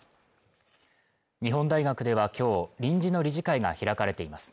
日本大学ではきょう臨時の理事会が開かれています